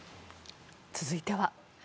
続いては。